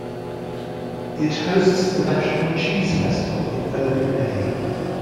It hosts the national cheese festival in early May.